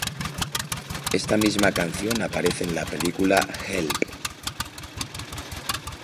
Esta misma canción aparece en la película "Help!